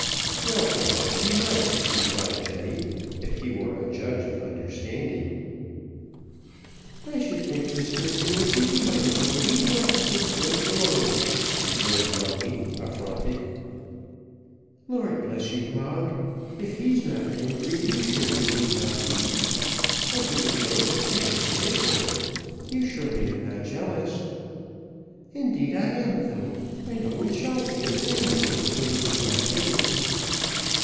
"Well, perhaps she might," replied Jemmy, "if he were a judge of understanding." "I should think, Mistress Nancy, you might as well leave my husband's legs alone," observed Moggy, affronted. "Lord bless you, Moggy, if he's not angry, you surely should not be; I give a joke, and I can take one. You surely are not jealous?" "Indeed I am though, and always shall be of anyone who plays with my Jemmy."